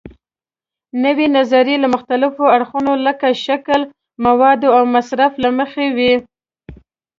نوې نظریې له مختلفو اړخونو لکه شکل، موادو او مصرف له مخې وي.